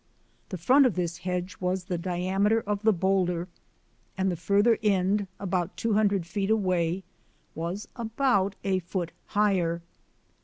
The front of this hedge was the diameter of the boulder, and the farther end, about two hundred feet away, was about a foot higher.